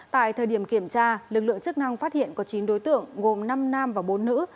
tại thời điểm kiểm tra lực lượng chức năng phát hiện có chín đối tượng gồm năm nam và bốn nữ